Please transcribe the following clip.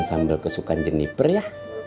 masakin sambal kesukaan jinipen ya